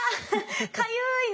かゆい。